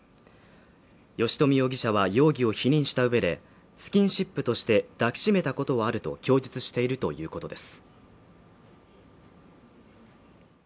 吉冨容疑者は容疑を否認した上で、スキンシップとして抱きしめたことはあると供述しているということです。